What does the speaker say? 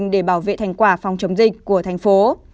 để bảo vệ thành quả phòng chống dịch của thành phố